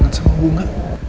serius banget sama bunga